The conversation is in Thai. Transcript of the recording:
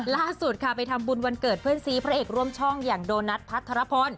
ล่าสุดค่ะไปทำบุญวันเกิดเพื่อนซีพระเอกร่วมช่องอย่างโดนัทพัทรพล